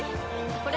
これ！